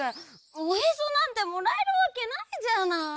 おへそなんてもらえるわけないじゃない！